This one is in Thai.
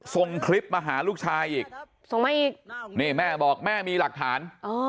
ส่งคลิปมาหาลูกชายอีกส่งมาอีกนี่แม่บอกแม่มีหลักฐาน